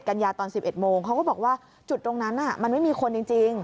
กัญญาตอน๑๑โมงเขาก็บอกว่าจุดตรงนั้นมันไม่มีคนจริง